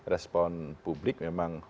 respon publik memang